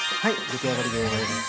出来上がりです。